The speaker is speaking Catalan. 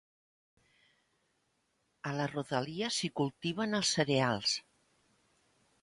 A la rodalia s'hi cultiven els cereals.